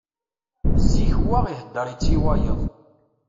Zik wa ihedder-itt i wayeḍ.